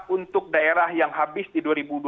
untuk daerah yang habis di dua ribu dua puluh